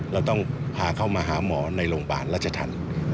เราต้องพาเข้ามาหาหมอในโรงพยาบาลรัชธรรม